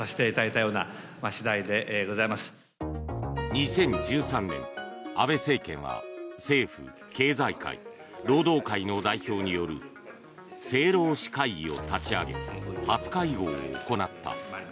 ２０１３年、安倍政権は政府、経済界、労働界の代表による政労使会議を立ち上げて初会合を行った。